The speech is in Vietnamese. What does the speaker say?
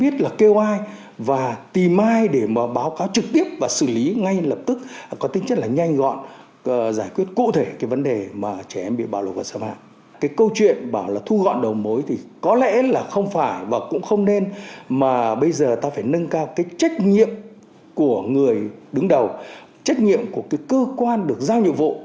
trách nhiệm của người đứng đầu trách nhiệm của cơ quan được giao nhiệm vụ